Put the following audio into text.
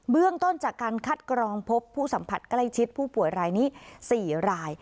เรื่องต้นจากการคัดกรองพบผู้สัมผัสใกล้ชิดผู้ป่วยรายนี้๔ราย